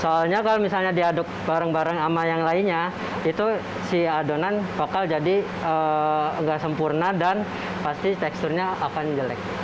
soalnya kalau misalnya diaduk bareng bareng sama yang lainnya itu si adonan vokal jadi nggak sempurna dan pasti teksturnya akan jelek